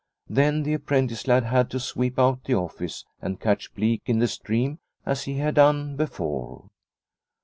Then the apprentice lad had to sweep out the office and catch bleak in the stream as he had done before.